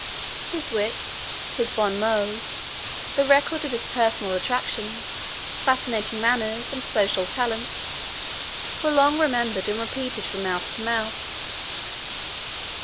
His wit, his bon mots, the record of his personal attractions, fascinating manners, and social talents, were long remembered and repeated from mouth to mouth.